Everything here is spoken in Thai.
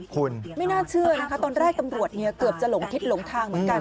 คุณไม่น่าเชื่อนะคะตอนแรกตำรวจเนี่ยเกือบจะหลงทิศหลงทางเหมือนกัน